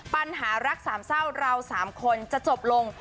ปัญหารักสามเศร้าเราสามคนจะจบลง